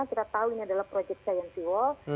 kita tahu ini adalah proyek saya yang siwoh